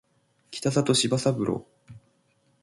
北里柴三郎